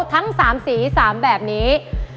ทั้ง๓สี๓แบบนี้